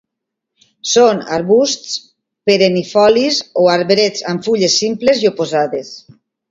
Són arbusts perennifolis o arbrets amb fulles simples i oposades.